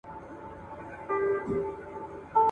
که مېرمن وه که یې دواړه ماشومان وه `